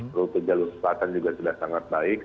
jalan ke jalur selatan juga sudah sangat baik